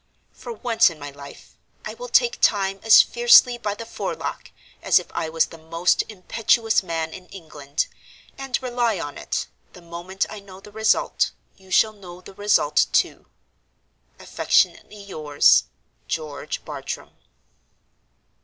For once in my life, I will take Time as fiercely by the forelock as if I was the most impetuous man in England; and, rely on it, the moment I know the result, you shall know the result, too. "Affectionately yours, "GEORGE BARTRAM."